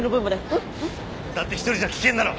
うん？だって一人じゃ危険だろ。